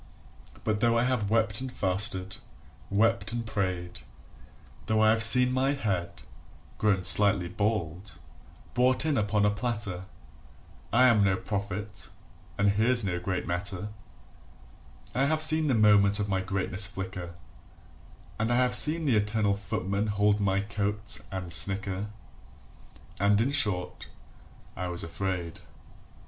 But though I have wept and fasted, wept and prayed, Though I have seen my head [grown slightly bald] brought in upon a platter, I am no prophet and here's no great matter; I have seen the moment of my greatness flicker, And I have seen the eternal Footman hold my coat, and snicker, And in short, I was afraid.